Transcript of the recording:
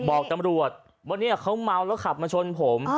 บอกตำรวจว่าเนี่ยเขาเมาแล้วขับมาชนผม